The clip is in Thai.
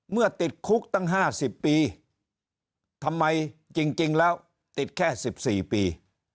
ติดคุกตั้ง๕๐ปีทำไมจริงแล้วติดแค่๑๔ปี